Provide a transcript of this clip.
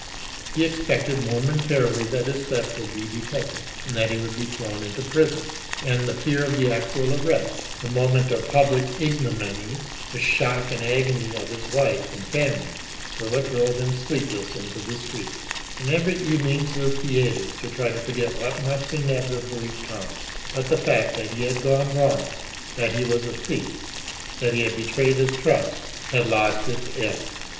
He expected momentarily that his theft would be detected and that he would be thrown into prison, and the fear of the actual arrest, the moment of public ignominy, the shock and agony of his wife and family, were what drove him sleepless into the streets, and every evening to the theatres to try to forget what must inevitably come; but the fact that he had "gone wrong," that he was a thief, that he had betrayed his trust, had lost its edge.